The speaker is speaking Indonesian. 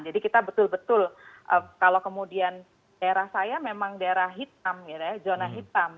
kita betul betul kalau kemudian daerah saya memang daerah hitam zona hitam